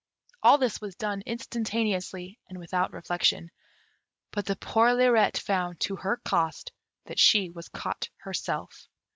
All this was done instantaneously, and without reflection; but the poor Lirette found, to her cost, that she was caught herself.